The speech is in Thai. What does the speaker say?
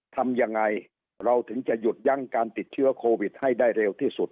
ทำยังไงเราถึงจะหยุดยั้งการติดเชื้อโควิดให้ได้เร็วที่สุด